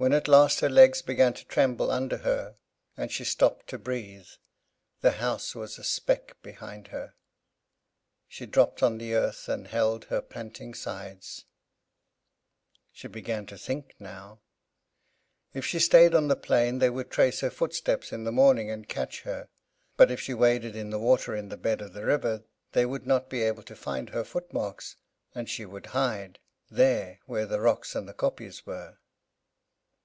When at last her legs began to tremble under her, and she stopped to breathe, the house was a speck behind her. She dropped on the earth, and held her panting sides. She began to think now. If she stayed on the plain they would trace her footsteps in the morning and catch her; but if she waded in the water in the bed of the river they would not be able to find her footmarks; and she would hide, there where the rocks and the kopjes were.